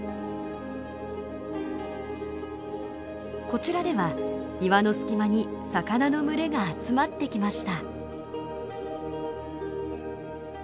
こちらでは岩の隙間に魚の群れが集まってきました。